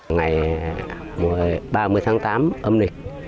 ngày ba mươi tháng tám âm lịch